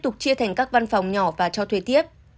dành các văn phòng nhỏ và cho thuê tiếp